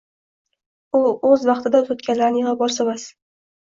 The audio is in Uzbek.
U oʻz vaqtida uzatganlarini yigʻib olsa, bas